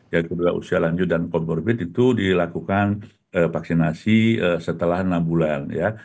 yang kedua usia lanjut dan comorbid itu dilakukan vaksinasi setelah enam bulan ya